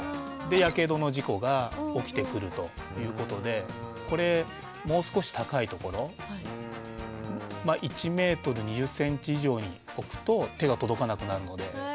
やけどの事故が起きてくるということでこれもう少し高い所１メートル２０センチ以上に置くと手が届かなくなるので。